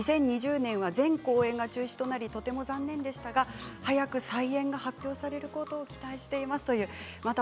２０２０年は全公演が中止となり残念でしたが早く再演が発表されることを期待していますということです。